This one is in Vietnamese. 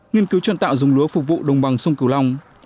nghiên cứu chuẩn tạo dùng lúa phục vụ đồng bằng sông cửu long